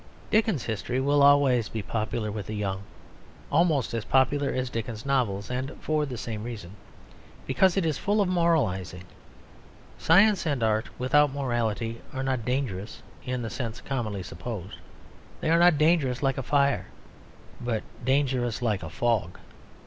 Dickens's history will always be popular with the young; almost as popular as Dickens's novels, and for the same reason: because it is full of moralising. Science and art without morality are not dangerous in the sense commonly supposed. They are not dangerous like a fire, but dangerous like a fog.